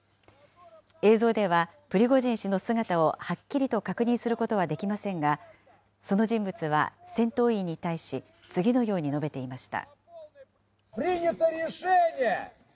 映像では、プリゴジン氏の姿をはっきりと確認することはできませんが、その人物は戦闘員に対し、次のように述べていました。